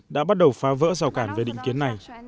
đã bắt đầu phá vỡ rào cản về định kiến này